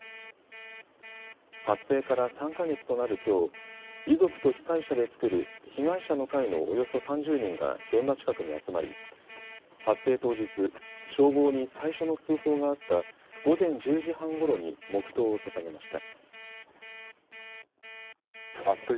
発生から３か月となるきょう、遺族と被災者で作る被害者の会のおよそ３０人が現場近くに集まり発生当日、消防に最初の通報があった午前１０時半ごろに黙とうをささげました。